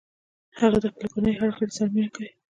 هغه د خپلې کورنۍ د هر غړي سره مینه کوي